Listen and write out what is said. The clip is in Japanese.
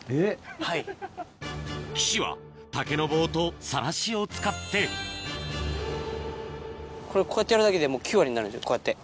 岸は竹の棒とさらしを使ってこれこうやってやるだけでもう９割になるこうやって。